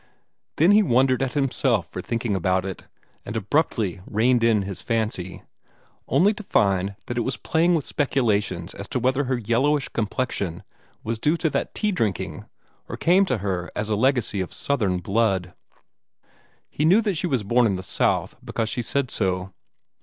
Then he wondered at himself for thinking about it, and abruptly reined up his fancy, only to find that it was playing with speculations as to whether her yellowish complexion was due to that tea drinking or came to her as a legacy of Southern blood. He knew that she was born in the South because she said so.